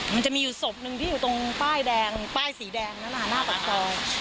มันจะมีอยู่ศพหนึ่งที่อยู่ตรงป้ายแดงป้ายสีแดงนั้นหน้าปากซอย